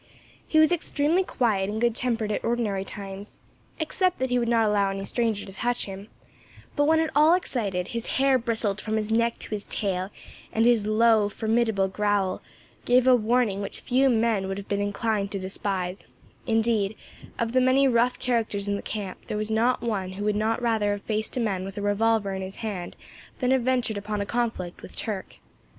He was extremely quiet and good tempered at ordinary times, except that he would not allow any stranger to touch him; but when at all excited, his hair bristled from his neck to his tail, and his low, formidable growl, gave a warning which few men would have been inclined to despise, indeed, of the many rough characters in the camp, there was not one who would not rather have faced a man with a revolver in his hand than have ventured upon a conflict with Turk.